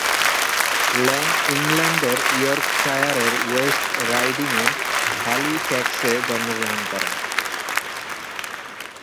ল্যাং ইংল্যান্ডের ইয়র্কশায়ারের ওয়েস্ট রাইডিংয়ের হ্যালিফ্যাক্সে জন্মগ্রহণ করেন।